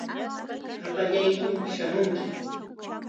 Hapallaykim shamunki.